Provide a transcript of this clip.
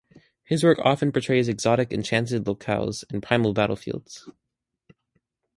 His work often portrays exotic, enchanted locales and primal battlefields.